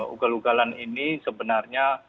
ugal ugalan ini sebenarnya